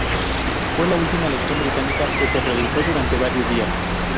Fue la última elección británica que se realizó durante varios días.